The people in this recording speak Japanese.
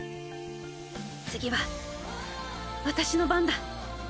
次は私の番だ！